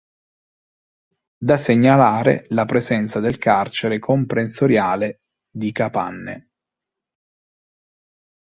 Da segnalare la presenza del carcere comprensoriale di Capanne.